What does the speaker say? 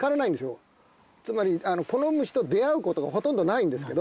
つまりこの虫と出合うことがほとんどないんですけど。